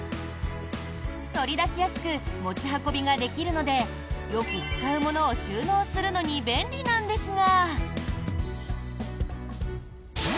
取り出しやすく持ち運びができるのでよく使うものを収納するのに便利なんですが。